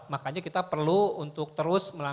makanya kita perlu untuk terus melakukan